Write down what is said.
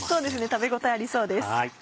食べ応えありそうです。